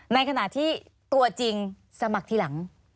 ในขณะที่ตัวจริงสมัครทีหลัง